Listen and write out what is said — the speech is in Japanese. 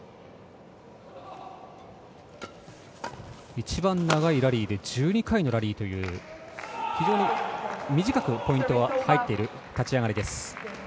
一番長いラリーで１２回のラリーという非常に短くポイントが入っている立ち上がりです。